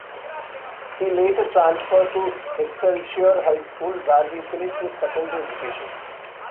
He later transferred to Excelsior High School, where he finished his secondary education.